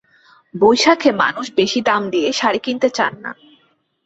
বৈশাখে মানুষ বেশি দাম দিয়ে শাড়ি কিনতে চান না।